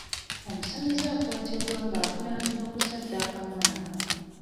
Omusamize akwatiddwa nga avunaanibwa kusaddaaka mwana.